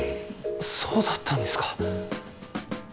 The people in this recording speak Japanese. そうだったんですか。